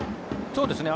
そうですね。